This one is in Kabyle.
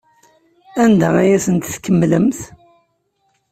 Anda ay asen-tkemmlemt?